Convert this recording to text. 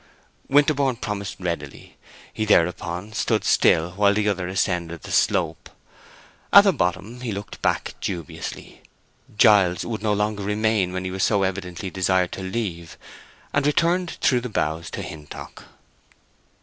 Winterborne promised readily. He thereupon stood still while the other ascended the slope. At the bottom he looked back dubiously. Giles would no longer remain when he was so evidently desired to leave, and returned through the boughs to Hintock.